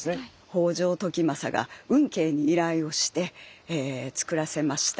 北条時政が運慶に依頼をしてつくらせました